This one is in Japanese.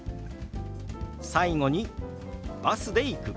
最後に「バスで行く」。